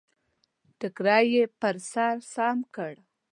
ټکری يې پر سر سم کړ.